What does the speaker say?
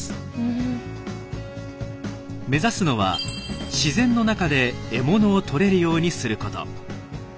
目指すのは自然の中で獲物を捕れるようにすること。